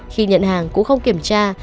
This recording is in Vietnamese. khi nhận hàng cũng không kiểm tra